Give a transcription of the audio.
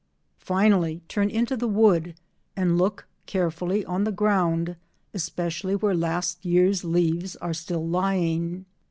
Finally, turn into the wood and look carefully on the ground, especially where last year's leaves are still lying.